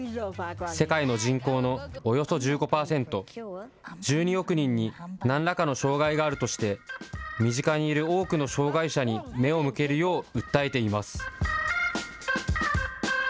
世界の人口のおよそ１５％、１２億人になんらかの障害があるとして、身近にいる多くの障害者に目を向けるよう訴えています。